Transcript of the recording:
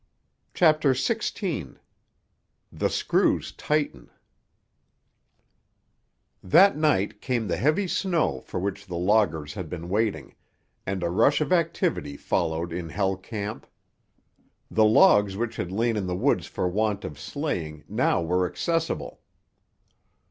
CHAPTER XVI—THE SCREWS TIGHTEN That night came the heavy snow for which the loggers had been waiting, and a rush of activity followed in Hell Camp. The logs which had lain in the woods for want of sleighing now were accessible.